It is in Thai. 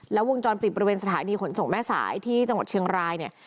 แล้ววงจรปิดบริเวณสถานีขนส่งแม่สายที่จังหวัดเชียงรายเนี่ย